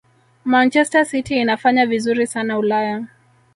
manchester city inafanya vizuri sana ulaya